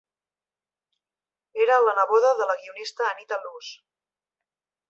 Era la neboda de la guionista Anita Loos.